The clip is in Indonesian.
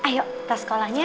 ayo tas sekolahnya